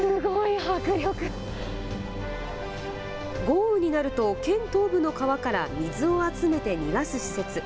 豪雨になると県東部の川から水を集めて逃がす施設。